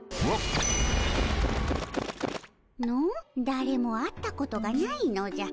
だれも会ったことがないのじゃ。